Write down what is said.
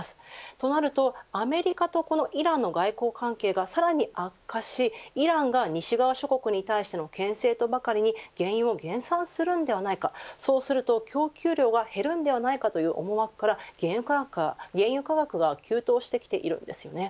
となると、アメリカとこのイランの外交関係がさらに悪化し、イランが西側諸国に対してのけん制とばかりに原油を減産するんではないかそうすると供給量が減るんではないかという思惑から原油価格が急騰してきているんですよね。